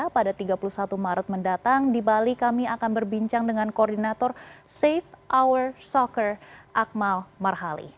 pada tiga puluh satu maret mendatang di bali kami akan berbincang dengan koordinator safe hour soccer akmal marhali